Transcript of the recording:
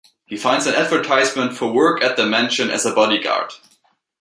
He finds an advertisement for work at the Mansion as a body guard.